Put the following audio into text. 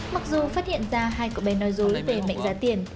mặc dù phát hiện ra hai cậu bé nói dối về mệnh giá tiền